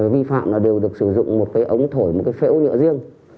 vi phạm là đều được sử dụng một cái ống thổi một cái phễu nhựa riêng